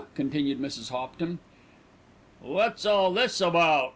continued Mrs. Hopton. "What's all this about?"